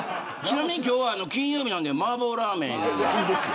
ちなみに今日は金曜日なんでマーボーラーメン。